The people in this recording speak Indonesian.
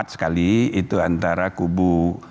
dua ribu empat sekali itu antara kubu